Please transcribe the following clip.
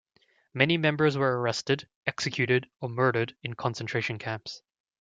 Many members were arrested, executed or murdered in concentration camps.